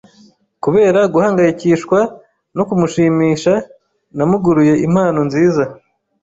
Kubera guhangayikishwa no kumushimisha, namuguriye impano nziza.